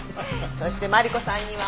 そしてマリコさんには。